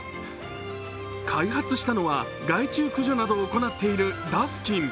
開発したのは害虫駆除などを行っているダスキン。